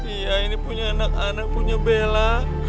iya ini punya anak anak punya bela